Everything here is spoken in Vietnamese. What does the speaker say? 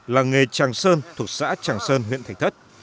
làng nghề tràng sơn thuộc xã tràng sơn huyện thạch thất